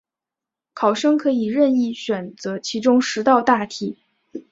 考生可以任意选择其中十道大题